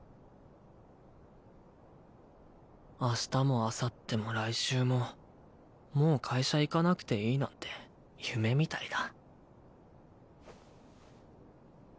明日もあさっても来週ももう会社行かなくていいなんて夢みたいだ。